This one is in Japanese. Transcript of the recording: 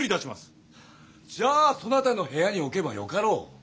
じゃあそなたの部屋に置けばよかろう。